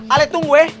ale tunggu ya